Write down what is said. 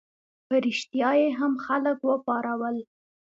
په ریشتیا یې هم خلک وپارول.